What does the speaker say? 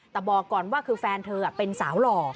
แต่บอกก่อนว่าคือแฟนเธอเป็นสาวหล่อ